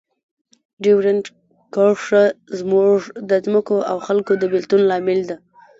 ډیورنډ کرښه زموږ د ځمکو او خلکو د بیلتون لامل ده.